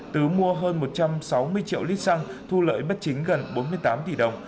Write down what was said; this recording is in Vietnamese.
tứ mua hơn một trăm sáu mươi triệu lít xăng thu lợi bất chính gần bốn mươi tám tỷ đồng